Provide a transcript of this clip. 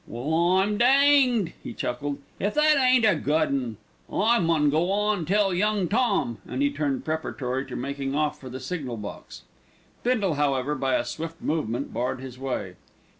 "Well, I'm danged," he chuckled, "if that ain't a good un. I maun go an' tell Young Tom," and he turned preparatory to making off for the signal box. Bindle, however, by a swift movement barred his way.